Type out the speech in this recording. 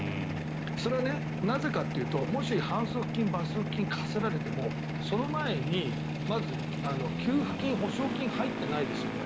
それはなぜかというともし反則金、罰則金が科せられてもその前にまず給付金、補償金が入っていないですよね。